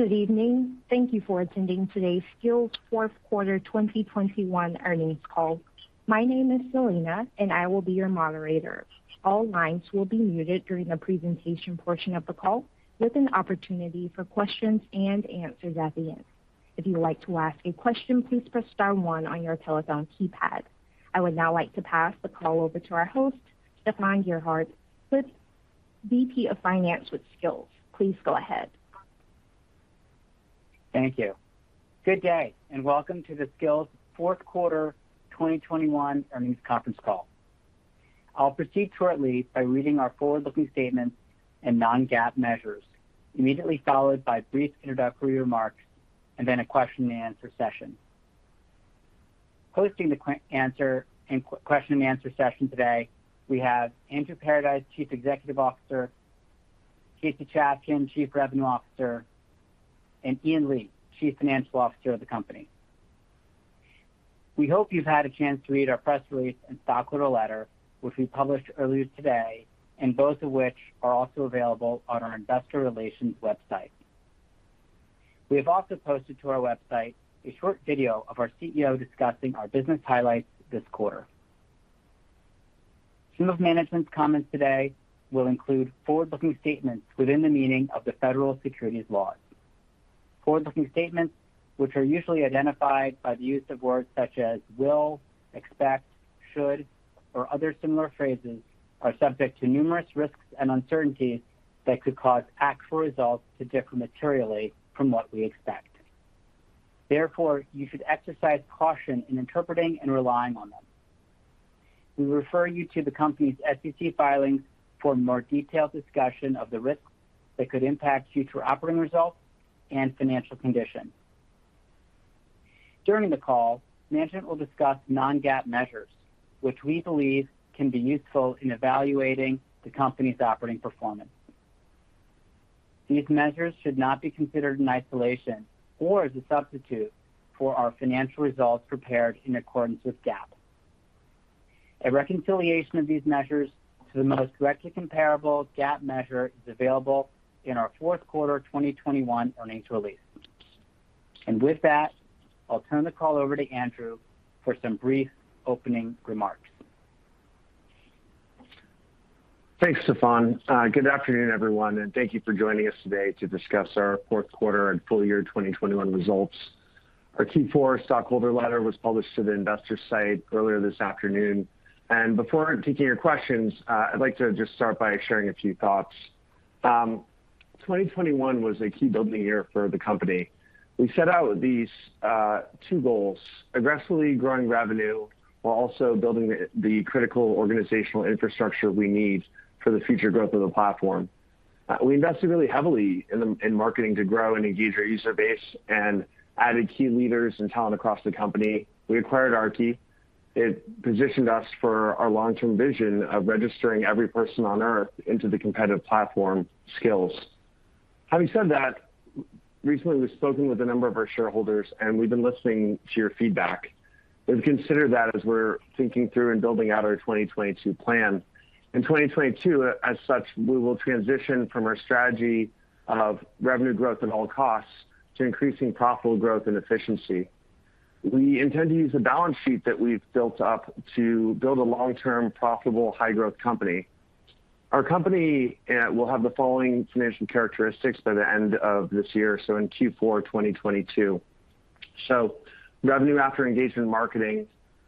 Good evening. Thank you for attending today's Skillz fourth quarter 2021 earnings call. My name is Selena, and I will be your moderator. All lines will be muted during the presentation portion of the call, with an opportunity for questions and answers at the end. If you'd like to ask a question, please press star one on your telephone keypad. I would now like to pass the call over to our host, Stefan Gerhard, VP of Finance with Skillz. Please go ahead. Thank you. Good day, and welcome to the Skillz fourth quarter 2021 earnings conference call. I'll proceed shortly by reading our forward-looking statements and non-GAAP measures, immediately followed by brief introductory remarks and then a question and answer session. Hosting the question and answer session today, we have Andrew Paradise, Chief Executive Officer, Casey Chafkin, Chief Revenue Officer, and Ian Lee, Chief Financial Officer of the company. We hope you've had a chance to read our press release and stockholder letter, which we published earlier today, and both of which are also available on our investor relations website. We have also posted to our website a short video of our CEO discussing our business highlights this quarter. Some of management's comments today will include forward-looking statements within the meaning of the federal securities laws. Forward-looking statements, which are usually identified by the use of words such as will, expect, should or other similar phrases, are subject to numerous risks and uncertainties that could cause actual results to differ materially from what we expect. Therefore, you should exercise caution in interpreting and relying on them. We refer you to the company's SEC filings for more detailed discussion of the risks that could impact future operating results and financial condition. During the call, management will discuss non-GAAP measures, which we believe can be useful in evaluating the company's operating performance. These measures should not be considered in isolation or as a substitute for our financial results prepared in accordance with GAAP. A reconciliation of these measures to the most directly comparable GAAP measure is available in our fourth quarter 2021 earnings release. With that, I'll turn the call over to Andrew for some brief opening remarks. Thanks, Stefan. Good afternoon, everyone, and thank you for joining us today to discuss our fourth quarter and full-year 2021 results. Our Q4 stockholder letter was published to the investor site earlier this afternoon. Before taking your questions, I'd like to just start by sharing a few thoughts. 2021 was a key building year for the company. We set out these two goals: aggressively growing revenue while also building the critical organizational infrastructure we need for the future growth of the platform. We invested really heavily in marketing to grow and engage our user base and added key leaders and talent across the company. We acquired Aarki. It positioned us for our long-term vision of registering every person on Earth into the competitive platform, Skillz. Having said that, recently we've spoken with a number of our shareholders, and we've been listening to your feedback. We've considered that as we're thinking through and building out our 2022 plan. In 2022, as such, we will transition from our strategy of revenue growth at all costs to increasing profitable growth and efficiency. We intend to use the balance sheet that we've built up to build a long-term profitable high-growth company. Our company will have the following financial characteristics by the end of this year, so in Q4 2022. Revenue after engagement marketing,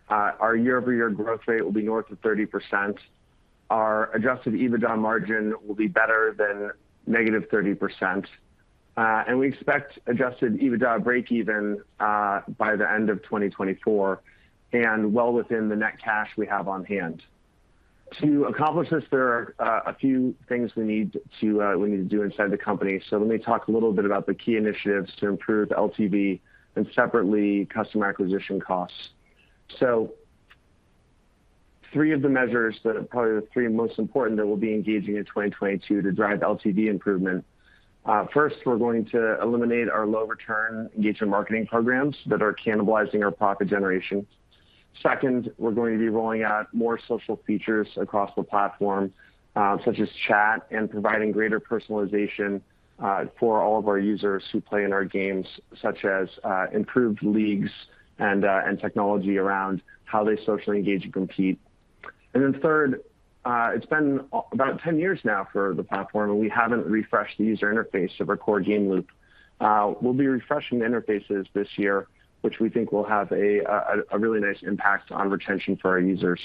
our year-over-year growth rate will be north of 30%. Our adjusted EBITDA margin will be better than -30%. And we expect adjusted EBITDA breakeven by the end of 2024 and well within the net cash we have on-hand. To accomplish this, there are a few things we need to do inside the company. Let me talk a little bit about the key initiatives to improve LTV and separately customer acquisition costs. Three of the measures that are probably the three most important that we'll be engaging in 2022 to drive LTV improvement. First, we're going to eliminate our low-return engagement marketing programs that are cannibalizing our profit generation. Second, we're going to be rolling out more social features across the platform, such as chat and providing greater personalization for all of our users who play in our games, such as improved leagues and technology around how they socially engage and compete. Third, it's been about 10 years now for the platform, and we haven't refreshed the user interface of our core game loop. We'll be refreshing the interfaces this year, which we think will have a really nice impact on retention for our users.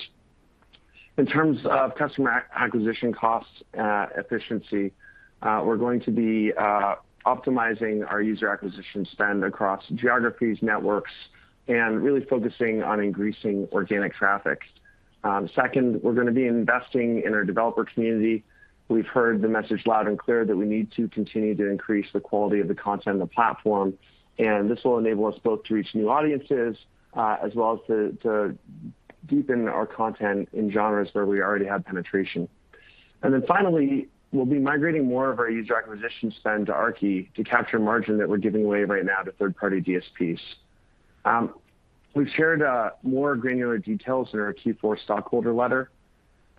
In terms of customer acquisition costs, efficiency, we're going to be optimizing our user acquisition spend across geographies, networks, and really focusing on increasing organic traffic. Second, we're gonna be investing in our developer community. We've heard the message loud and clear that we need to continue to increase the quality of the content on the platform, and this will enable us both to reach new audiences, as well as to deepen our content in genres where we already have penetration. Finally, we'll be migrating more of our user acquisition spend to Aarki to capture margin that we're giving away right now to third-party DSPs. We've shared more granular details in our Q4 stockholder letter.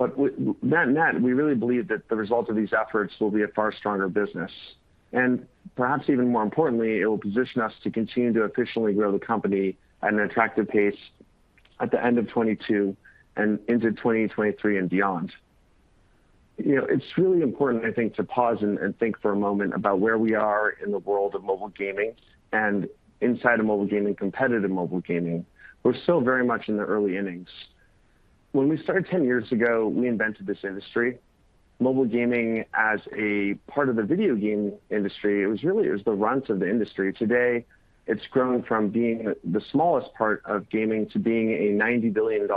Net-net, we really believe that the results of these efforts will be a far stronger business. Perhaps even more importantly, it will position us to continue to efficiently grow the company at an attractive pace at the end of 2022 and into 2023 and beyond. You know, it's really important, I think, to pause and think for a moment about where we are in the world of mobile gaming and inside of mobile gaming, competitive mobile gaming. We're still very much in the early innings. When we started 10 years ago, we invented this industry. Mobile gaming as a part of the video game industry, it was really, it was the runt of the industry. Today, it's grown from being the smallest part of gaming to being a $90 billion+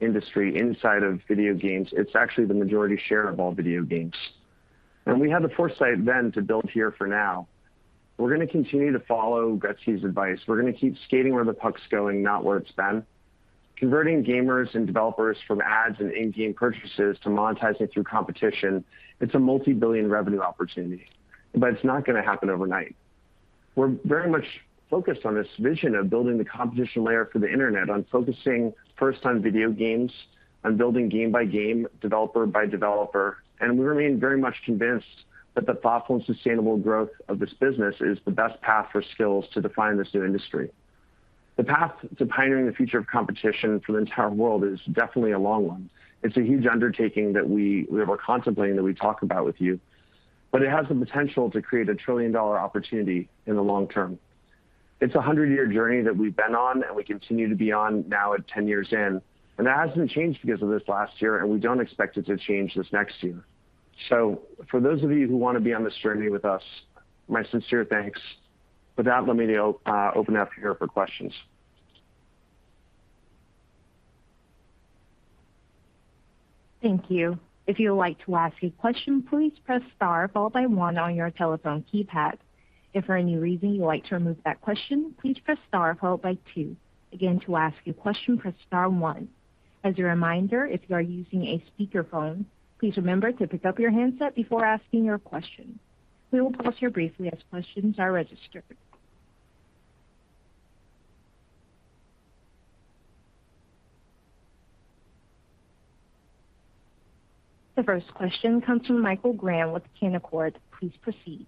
industry inside of video games. It's actually the majority share of all video games. We had the foresight then to build here for now. We're gonna continue to follow Gretzky's advice. We're gonna keep skating where the puck's going, not where it's been. Converting gamers and developers from ads and in-game purchases to monetizing through competition, it's a multi-billion revenue opportunity, but it's not gonna happen overnight. We're very much focused on this vision of building the competition layer for the Internet, on focusing first on video games, on building game by game, developer by developer, and we remain very much convinced that the thoughtful and sustainable growth of this business is the best path for Skillz to define this new industry. The path to pioneering the future of competition for the entire world is definitely a long one. It's a huge undertaking that we are contemplating, that we talk about with you, but it has the potential to create a trillion-dollar opportunity in the long-term. It's 100-year journey that we've been on, and we continue to be on now at 10 years in. That hasn't changed because of this last year, and we don't expect it to change this next year. For those of you who wanna be on this journey with us, my sincere thanks. With that, let me open it up here for questions. Thank you. If you would like to ask a question, please press star followed by one on your telephone keypad. If for any reason you would like to remove that question, please press star followed by two. Again, to ask a question, press star one. As a reminder, if you are using a speakerphone, please remember to pick up your handset before asking your question. We will pause here briefly as questions are registered. The first question comes from Michael Graham with Canaccord. Please proceed.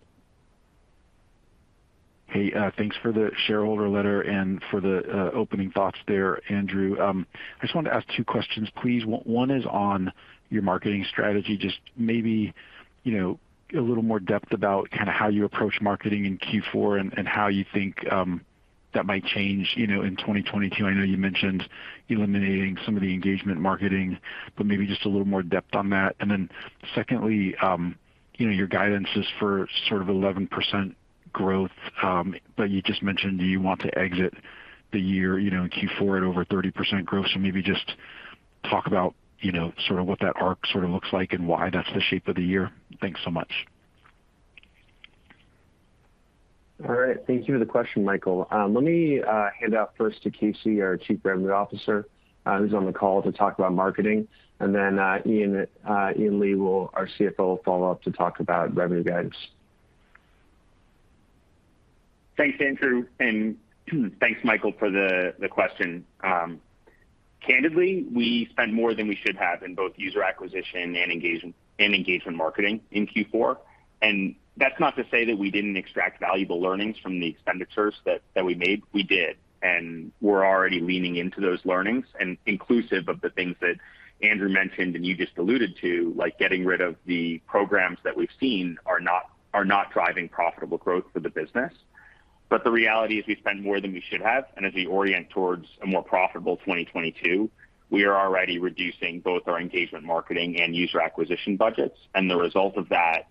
Hey, thanks for the shareholder letter and for the opening thoughts there, Andrew. I just wanted to ask two questions, please. One is on your marketing strategy. Just maybe, you know, a little more depth about kinda how you approach marketing in Q4 and how you think that might change, you know, in 2022. I know you mentioned eliminating some of the engagement marketing, but maybe just a little more depth on that. Then secondly, you know, your guidance is for sort of 11% growth, but you just mentioned you want to exit the year, you know, in Q4 at over 30% growth. Maybe just talk about, you know, sort of what that arc sort of looks like and why that's the shape of the year. Thanks so much. All right. Thank you for the question, Michael. Let me hand it off first to Casey, our Chief Revenue Officer, who's on the call to talk about marketing. Then, Ian Lee, our CFO, will follow up to talk about revenue guidance. Thanks, Andrew, and thanks, Michael, for the question. Candidly, we spent more than we should have in both user acquisition and engagement, and engagement marketing in Q4. That's not to say that we didn't extract valuable learnings from the expenditures that we made. We did, and we're already leaning into those learnings. Inclusive of the things that Andrew mentioned and you just alluded to, like getting rid of the programs that we've seen are not driving profitable growth for the business. The reality is we spent more than we should have, and as we orient towards a more profitable 2022, we are already reducing both our engagement marketing and user acquisition budgets. The result of that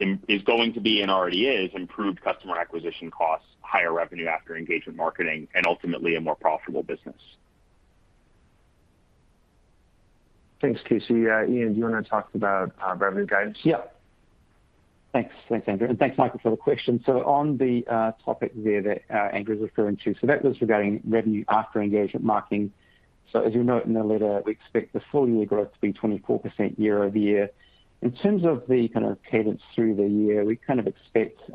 is going to be, and already is, improved customer acquisition costs, higher revenue after engagement marketing, and ultimately a more profitable business. Thanks, Casey. Ian, do you wanna talk about revenue guidance? Yeah. Thanks. Thanks, Andrew, and thanks, Michael, for the question. On the topic there that Andrew is referring to, that was regarding revenue after engagement marketing. As you'll note in the letter, we expect the full-year growth to be 24% year-over-year. In terms of the kind of cadence through the year, we kind of expect, you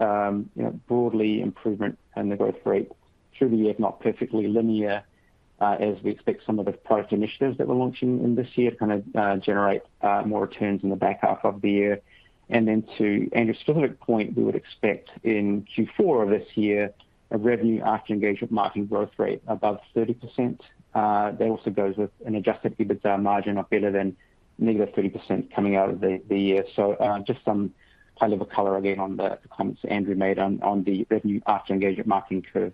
know, broadly improvement in the growth rate through the year, if not perfectly linear, as we expect some of the product initiatives that we're launching in this year to kind of generate more returns in the back half of the year. To Andrew's specific point, we would expect in Q4 of this year a revenue after engagement marketing growth rate above 30%. That also goes with an adjusted EBITDA margin of better than -30% coming out of the year. Just some high-level color again on the comments Andrew made on the revenue after engagement marketing curve.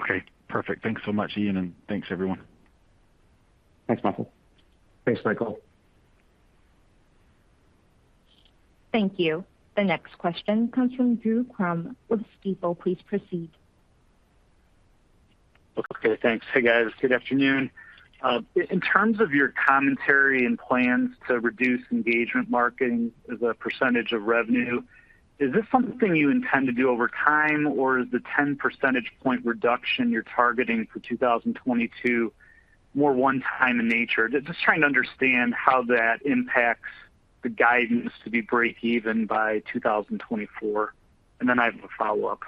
Okay, perfect. Thanks so much, Ian, and thanks, everyone. Thanks, Michael. Thanks, Michael. Thank you. The next question comes from Drew Crum with Stifel. Please proceed. Okay, thanks. Hey, guys. Good afternoon. In terms of your commentary and plans to reduce engagement marketing as a percentage of revenue, is this something you intend to do over time, or is the 10 percentage point reduction you're targeting for 2022 more one-time in nature? Just trying to understand how that impacts the guidance to be break even by 2024. I have a follow-up.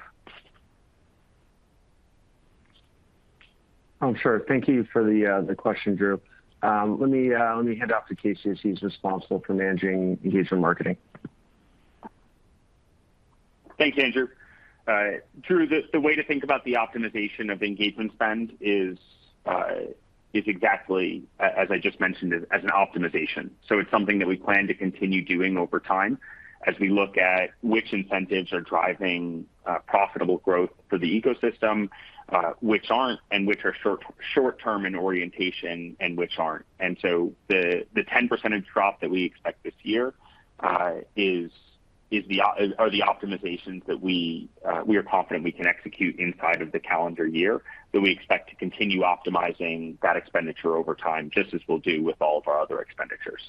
Oh, sure. Thank you for the question, Drew. Let me hand off to Casey as he's responsible for managing engagement marketing. Thanks, Andrew. Drew, the way to think about the optimization of engagement spend is exactly as I just mentioned it, as an optimization. It's something that we plan to continue doing over time as we look at which incentives are driving profitable growth for the ecosystem, which aren't, and which are short-term in orientation and which aren't. The 10% drop that we expect this year is the optimizations that we are confident we can execute inside of the calendar year, that we expect to continue optimizing that expenditure over time, just as we'll do with all of our other expenditures.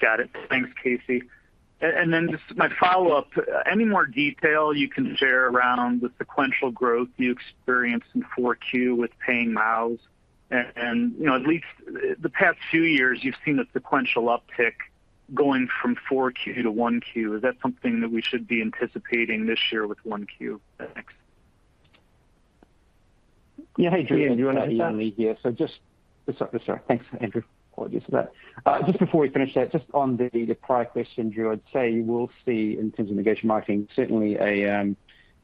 Got it. Thanks, Casey. Just my follow-up. Any more detail you can share around the sequential growth you experienced in four Q with paying MAUs? You know, at least the past few years, you've seen a sequential uptick going from four Q to one Q. Is that something that we should be anticipating this year with one Q? Thanks. Hey, Drew. Ian Lee here. Sorry. Thanks, Andrew. Apologies for that. Just before we finish that, just on the prior question, Drew, I'd say we'll see in terms of engagement marketing, certainly a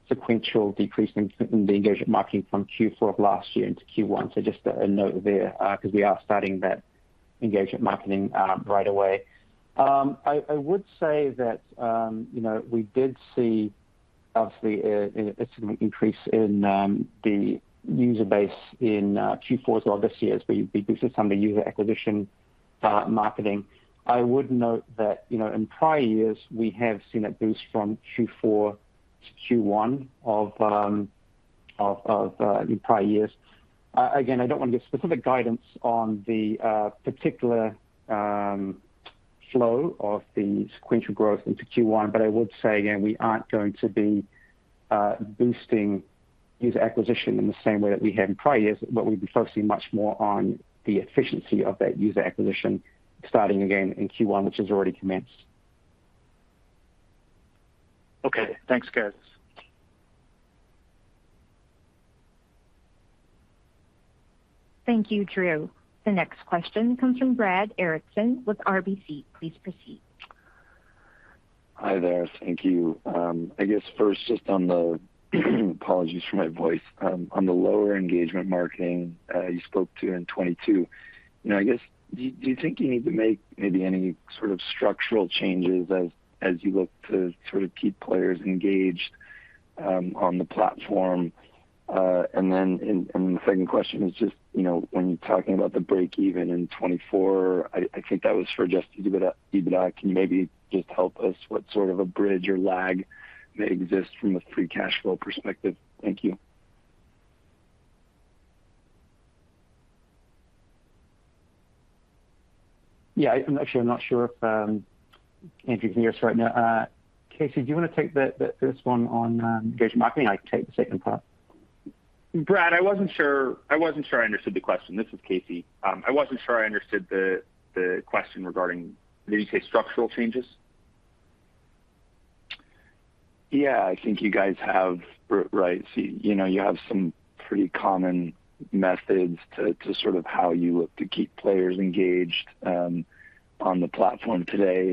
sequential decrease in the engagement marketing from Q4 of last year into Q1. Just a note there, 'cause we are starting that engagement marketing right away. I would say that, you know, we did see obviously a significant increase in the user base in Q4 as well this year as we boosted some of the user acquisition marketing. I would note that, you know, in prior years, we have seen a boost from Q4 to Q1 of in prior years. Again, I don't want to give specific guidance on the particular flow of the sequential growth into Q1, but I would say, again, we aren't going to be boosting user acquisition in the same way that we have in prior years, but we'd be focusing much more on the efficiency of that user acquisition starting again in Q1, which has already commenced. Okay. Thanks, guys. Thank you, Drew. The next question comes from Brad Erickson with RBC. Please proceed. Hi there. Thank you. I guess first, just an apology for my voice. On the lower engagement marketing you spoke to in 2022. You know, I guess, do you think you need to make maybe any sort of structural changes as you look to sort of keep players engaged on the platform? And then the second question is just, you know, when you're talking about the breakeven in 2024, I think that was for adjusted EBITDA. Can you maybe just help us what sort of a bridge or lag may exist from a free cash flow perspective? Thank you. Yeah. I'm actually not sure if Andrew can hear us right now. Casey, do you want to take the first one on engagement marketing? I can take the second part. Brad, I wasn't sure I understood the question. This is Casey. I wasn't sure I understood the question regarding, did you say structural changes? Yeah. I think you guys have right. You know, you have some pretty common methods to sort of how you look to keep players engaged on the platform today.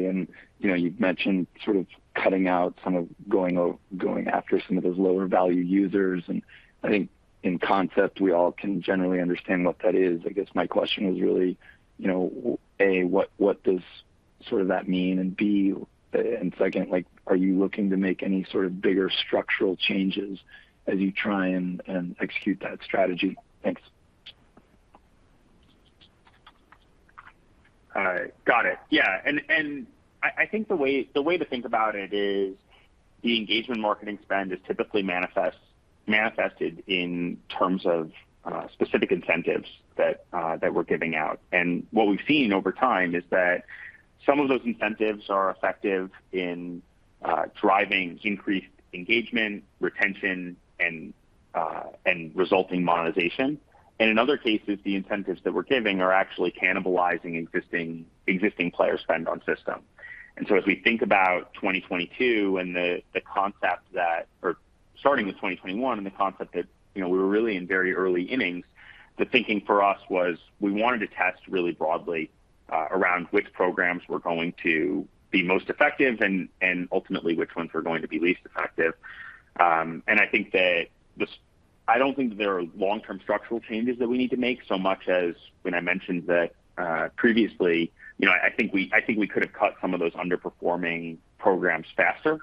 You know, you've mentioned sort of cutting out some of going after some of those lower value users. I think in concept, we all can generally understand what that is. I guess my question was really, you know, A, what does sort of that mean? B, second, like, are you looking to make any sort of bigger structural changes as you try and execute that strategy? Thanks. All right. Got it. Yeah. I think the way to think about it is the engagement marketing spend is typically manifested in terms of specific incentives that we're giving out. What we've seen over time is that some of those incentives are effective in driving increased engagement, retention, and resulting monetization. In other cases, the incentives that we're giving are actually cannibalizing existing player spend on system. As we think about 2022 and the concept that or starting with 2021 and the concept that, you know, we were really in very early innings, the thinking for us was we wanted to test really broadly around which programs were going to be most effective and ultimately which ones were going to be least effective. I don't think there are long-term structural changes that we need to make so much as when I mentioned that previously. You know, I think we could have cut some of those underperforming programs faster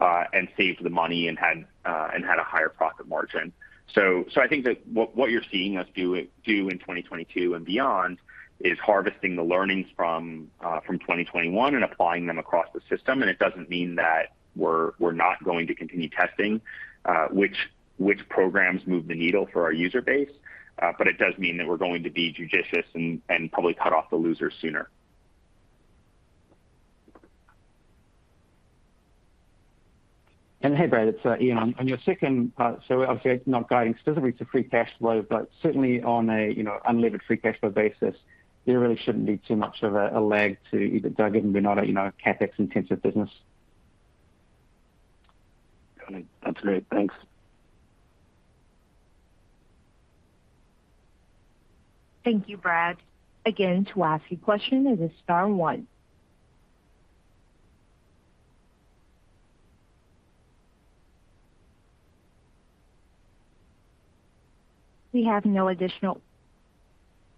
and saved the money and had a higher profit margin. I think that what you're seeing us do in 2022 and beyond is harvesting the learnings from 2021 and applying them across the system. It doesn't mean that we're not going to continue testing which programs move the needle for our user base. It does mean that we're going to be judicious and probably cut off the losers sooner. Hey, Brad, it's Ian. On your second part, obviously not guiding specifically to free cash flow, but certainly on a, you know, unlevered free cash flow basis, there really shouldn't be too much of a lag to EBITDA given we're not a, you know, CapEx-intensive business. Got it. That's great. Thanks. Thank you, Brad. Again, to ask a question, it is star one.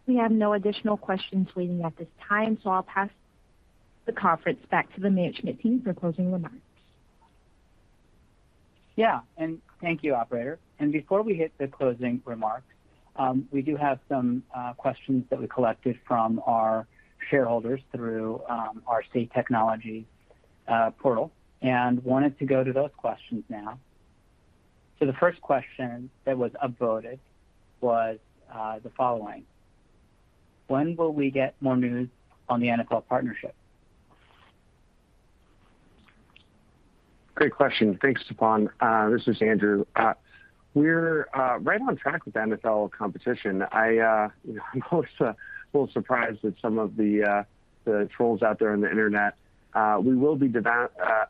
We have no additional questions waiting at this time, so I'll pass the conference back to the management team for closing remarks. Yeah. Thank you, operator. Before we hit the closing remarks, we do have some questions that we collected from our shareholders through our Say Technologies portal and wanted to go to those questions now. The first question that was upvoted was the following: When will we get more news on the NFL partnership? Great question. Thanks, Stefan. This is Andrew. We're right on track with NFL competition. I'm always a little surprised at some of the trolls out there on the internet. We will be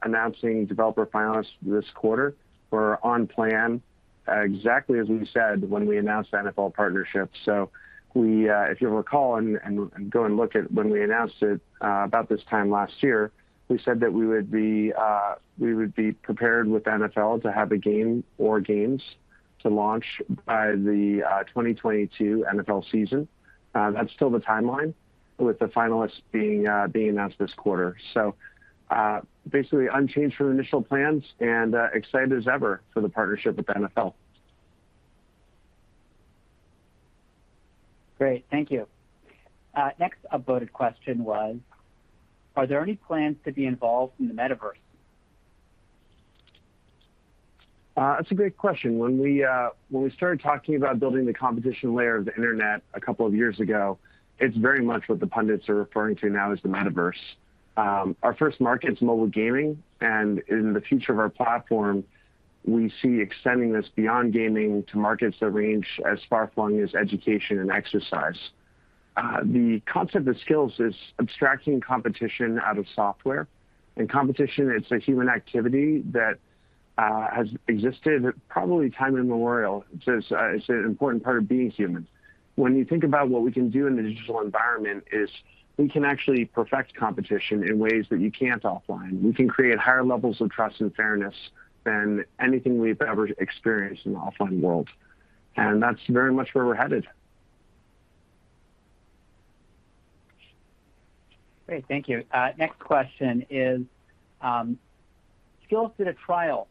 announcing developer finalists this quarter. We're on plan exactly as we said when we announced the NFL partnership. If you'll recall and go and look at when we announced it about this time last year, we said that we would be prepared with NFL to have a game or games to launch by the 2022 NFL season. That's still the timeline, with the finalists being announced this quarter. Basically unchanged from initial plans and excited as ever for the partnership with the NFL. Great. Thank you. Next upvoted question was: Are there any plans to be involved in the Metaverse? That's a great question. When we started talking about building the competition layer of the internet a couple of years ago, it's very much what the pundits are referring to now as the Metaverse. Our first market is mobile gaming, and in the future of our platform, we see extending this beyond gaming to markets that range as far-flung as education and exercise. The concept of Skillz is abstracting competition out of software. Competition, it's a human activity that has existed probably time immemorial. It's an important part of being human. When you think about what we can do in the digital environment is we can actually perfect competition in ways that you can't offline. We can create higher levels of trust and fairness than anything we've ever experienced in the offline world. That's very much where we're headed. Great. Thank you. Next question is: Skillz did a trial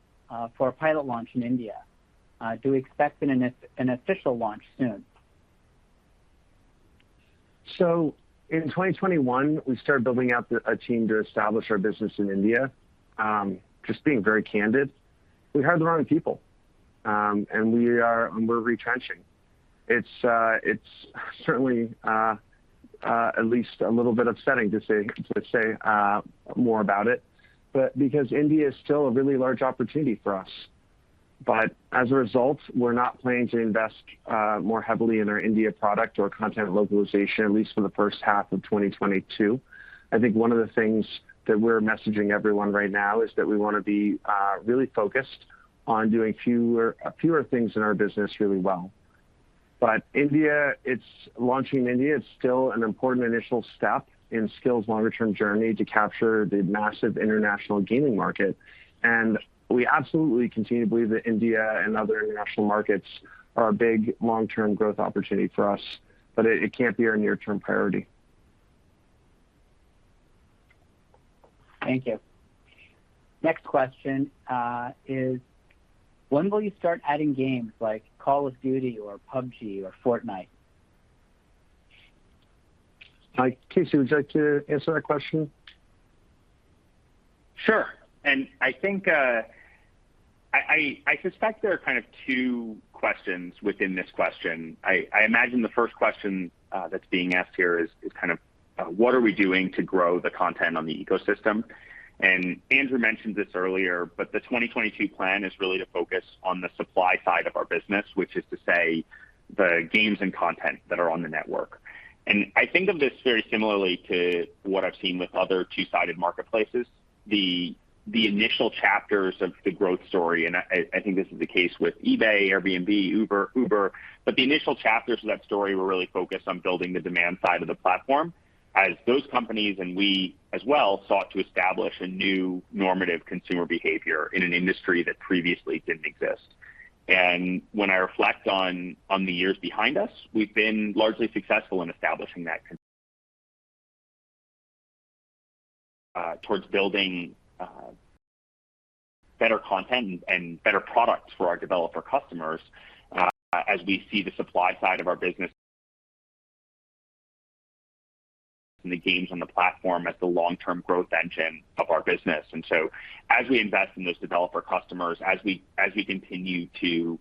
for a pilot launch in India. Do we expect an official launch soon? In 2021, we started building out a team to establish our business in India. Just being very candid, we hired the wrong people. We're retrenching. It's certainly at least a little bit upsetting to say more about it, but because India is still a really large opportunity for us. As a result, we're not planning to invest more heavily in our India product or content localization, at least for the first half of 2022. I think one of the things that we're messaging everyone right now is that we wanna be really focused on doing fewer things in our business really well. India, launching in India, it's still an important initial step in Skillz's longer-term journey to capture the massive international gaming market. We absolutely continue to believe that India and other international markets are a big long-term growth opportunity for us, but it can't be our near-term priority. Thank you. Next question is: When will you start adding games like Call of Duty or PUBG or Fortnite? Hi, Casey, would you like to answer that question? Sure. I think I suspect there are kind of two questions within this question. I imagine the first question that's being asked here is kind of what are we doing to grow the content on the ecosystem? Andrew mentioned this earlier, but the 2022 plan is really to focus on the supply side of our business, which is to say the games and content that are on the network. I think of this very similarly to what I've seen with other two-sided marketplaces. The initial chapters of the growth story, I think this is the case with eBay, Airbnb, Uber. The initial chapters of that story were really focused on building the demand side of the platform as those companies, and we as well, sought to establish a new normative consumer behavior in an industry that previously didn't exist. When I reflect on the years behind us, we've been largely successful in establishing that towards building better content and better products for our developer customers, as we see the supply side of our business and the games on the platform as the long-term growth engine of our business. As we invest in those developer customers, as we continue to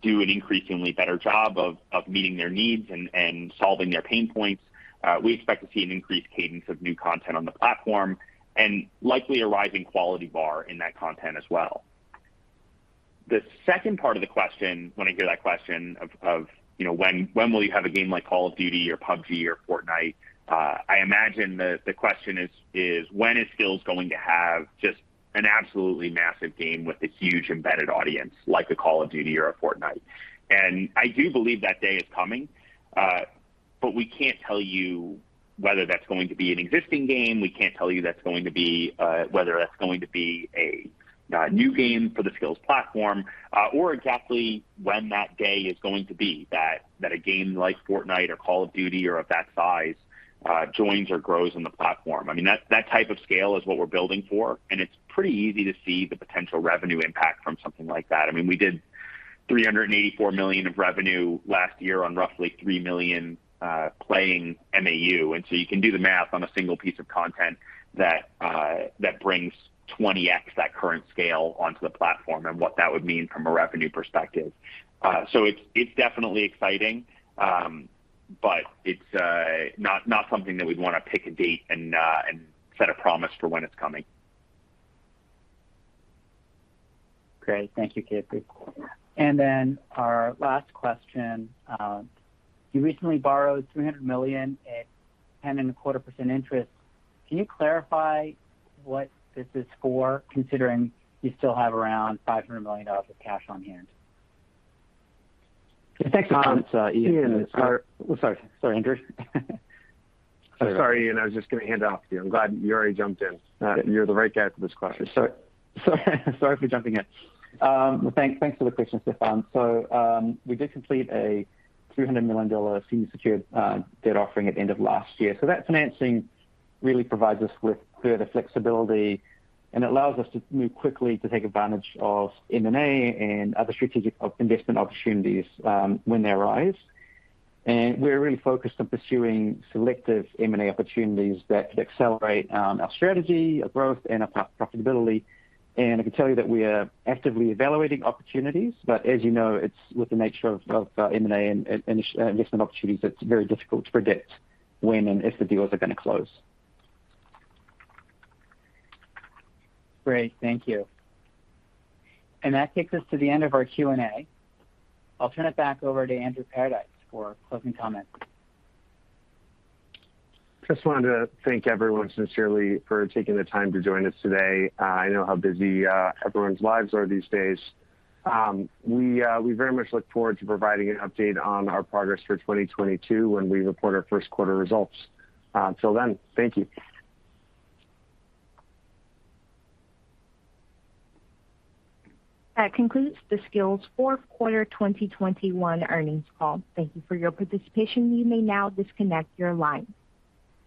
do an increasingly better job of meeting their needs and solving their pain points, we expect to see an increased cadence of new content on the platform and likely a rising quality bar in that content as well. The second part of the question, when I hear that question of, you know, when will you have a game like Call of Duty or PUBG or Fortnite, I imagine the question is when is Skillz going to have just an absolutely massive game with a huge embedded audience like a Call of Duty or a Fortnite. I do believe that day is coming. We can't tell you whether that's going to be an existing game. We can't tell you what that's going to be whether that's going to be a new game for the Skillz platform or exactly when that day is going to be that a game like Fortnite or Call of Duty or of that size joins or grows on the platform. I mean, that type of scale is what we're building for, and it's pretty easy to see the potential revenue impact from something like that. I mean, we did $384 million of revenue last year on roughly 3 million paying MAUs. You can do the math on a single piece of content that brings 20x that current scale onto the platform and what that would mean from a revenue perspective. It's definitely exciting, but it's not something that we'd wanna pick a date and set a promise for when it's coming. Great. Thank you, Casey. Our last question. You recently borrowed $300 million at 10.25% interest. Can you clarify what this is for, considering you still have around $500 million of cash on hand? Thanks, Stefan. It's Ian. Sorry. Sorry, Andrew. I'm sorry, Ian. I was just gonna hand off to you. I'm glad you already jumped in. You're the right guy for this question. Sorry for jumping in. Thanks for the question, Stefan. We did complete a $300 million senior secured debt offering at end of last year. That financing really provides us with further flexibility, and it allows us to move quickly to take advantage of M&A and other strategic investment opportunities when they arise. We're really focused on pursuing selective M&A opportunities that could accelerate our strategy, our growth, and our profitability. I can tell you that we are actively evaluating opportunities, but as you know, it's in the nature of M&A and investment opportunities, it's very difficult to predict when and if the deals are gonna close. Great. Thank you. That takes us to the end of our Q&A. I'll turn it back over to Andrew Paradise for closing comments. Just wanted to thank everyone sincerely for taking the time to join us today. I know how busy everyone's lives are these days. We very much look forward to providing an update on our progress for 2022 when we report our first quarter results. Until then, thank you. That concludes the Skillz fourth quarter 2021 earnings call. Thank you for your participation. You may now disconnect your line.